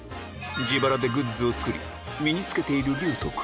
自腹でグッズを作り身に着けている琉友君